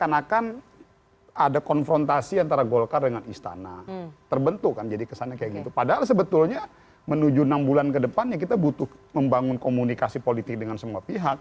seakan akan ada konfrontasi antara golkar dengan istana terbentuk kan jadi kesannya kayak gitu padahal sebetulnya menuju enam bulan ke depannya kita butuh membangun komunikasi politik dengan semua pihak